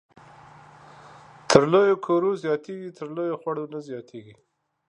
تر لويو کورو زياتېږي ، تر لويو خړو نه زياتېږي